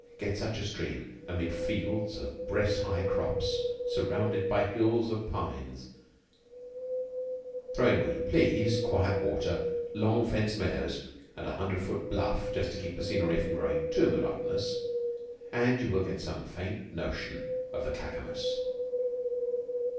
Get such a stream amid fields of breast high crops surrounded by hills of pines, throw in where you please quiet water, long fenced meadows, and a hundred foot bluff just to keep the scenery from growing too monotonous, and you will get some faint notion of the Clackamas.